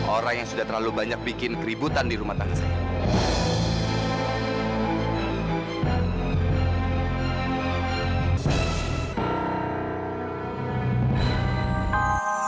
orang yang sudah terlalu banyak bikin keributan di rumah tangga saya